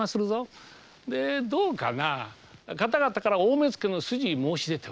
どうかな方々から大目付の筋に申し出ては？